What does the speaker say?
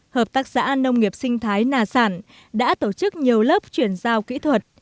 hợp tác xã nông nghiệp sinh thái nà sản đã tổ chức nhiều lớp chuyển giao kỹ thuật